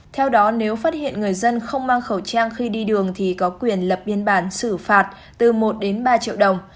theo đó nếu phát hiện người dân không mang khẩu trang khi đi đường thì có quyền lập biên bản xử phạt từ một đến ba triệu đồng